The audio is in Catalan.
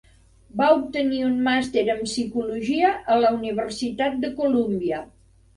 Va obtenir un màster en Psicologia a la Universitat de Columbia.